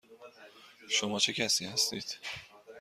شما چه کسی هستید؟